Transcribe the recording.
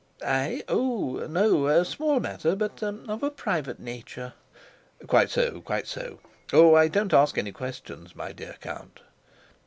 "I? Oh, no. A small matter; but er of a private nature." "Quite so, quite so. Oh, I don't ask any questions, my dear Count."